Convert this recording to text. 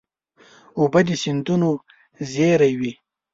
اوبه د سیندونو زېری وي.